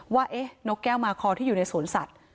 ว่านกแก้วมาคอที่อยู่ในสวนสัตว์